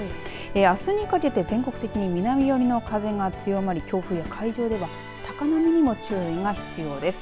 あすにかけて全国的に南寄りの風が強まり強風や、海上では高波にも注意が必要です。